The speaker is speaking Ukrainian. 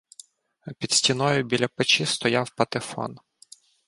Під стіною біля печі стояв патефон.